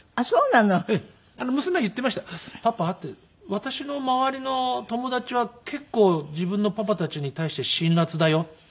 「私の周りの友達は結構自分のパパたちに対して辛辣だよ」っていって。